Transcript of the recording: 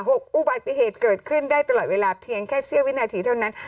อุบัติเหตุเกิดขึ้นได้ตลอดเวลาเพียงแค่เสี้ยวินาทีเท่านั้น